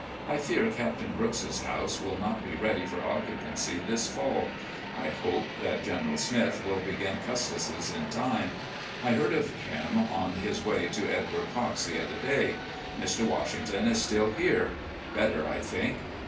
I fear Captain Brooks's house will not be ready for occupancy this fall. I hope that General Smith will begin Custis's in time. I heard of him on his way to Edward Cocke's the other day. Mr. Washington is still here. Better, I think.